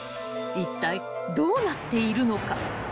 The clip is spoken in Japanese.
［いったいどうなっているのか］